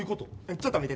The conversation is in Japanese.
ちょっと見てて。